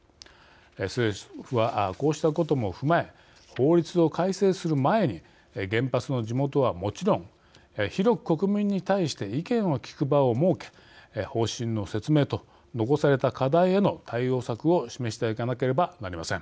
政府はこうしたことも踏まえ法律を改正する前に原発の地元はもちろん広く国民に対して意見を聞く場を設け方針の説明と残された課題への対応策を示していかなければなりません。